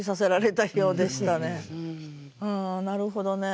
ああなるほどね。